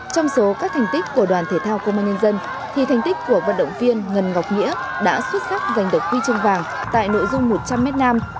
trong số các thành tích của đoàn thể thao công an nhân dân thì thành tích của vận động viên ngân ngọc nghĩa đã xuất sắc giành được huy chương vàng tại nội dung một trăm linh m nam